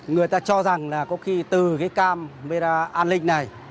người ta cho rằng là có khi từ cái camera an ninh này